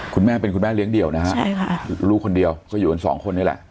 คุณแม่เป็นคุณแม่เลี้ยงเดี่ยวนะฮะใช่ค่ะลูกคนเดียวก็อยู่กันสองคนนี่แหละ